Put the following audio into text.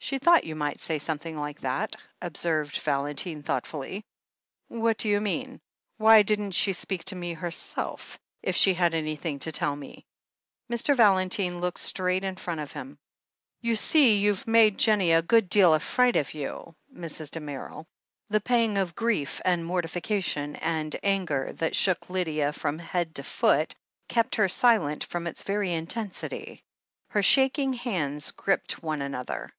"She thought you might say something like that," observed Valentine thoughtfully. "What do you mean ? Why didn't she speak to me herself, if she had anything to tell me?" Mr. Valentine looked straight in front of him. "You see, you've made Jennie a good deal afraid of you, Mrs. Damerel." The pang of grief and mortification and anger that I 392 THE HEEL OF ACHILLES shook Lydia irott\ head to foot kept her silent from its very intensity. Her shaking hands gripped one an other.